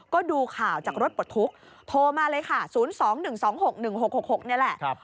ก็ดูข่าวจากรถปลดทุกข์โทรมาเลยค่ะ๐๒๑๒๖๑๖๖นี่แหละ